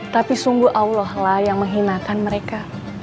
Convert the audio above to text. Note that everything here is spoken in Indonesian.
tapi sungguh allah lah yang menghinakan mereka